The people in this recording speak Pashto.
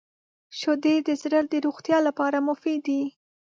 • شیدې د زړه د روغتیا لپاره مفید دي.